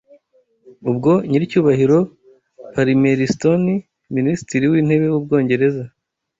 Ubwo nyir’icyubahiro Palimeristoni ministiri w’intebe w’Ubwongereza